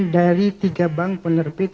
dari tiga bank penerbit